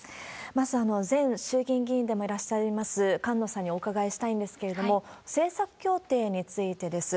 まず前衆議院でもいらっしゃいます菅野さんにお伺いしたいんですけれども、政策協定についてです。